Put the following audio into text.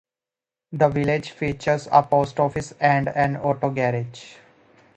The village features a post office, and an auto garage.